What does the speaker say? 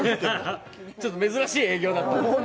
ちょっと珍しい営業だったんですよね